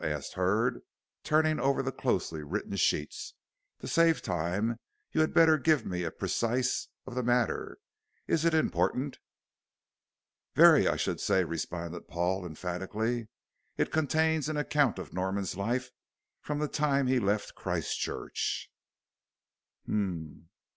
asked Hurd, turning over the closely written sheets. "To save time you had better give me a précis of the matter. Is it important?" "Very I should say," responded Paul, emphatically. "It contains an account of Norman's life from the time he left Christchurch." "Hum."